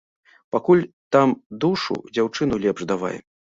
Пакуль там душу, дзяўчыну лепш давай!